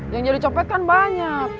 yang jadi copet kan banyak